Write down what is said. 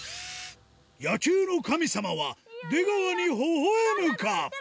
野球の神様は出川にほほ笑むか？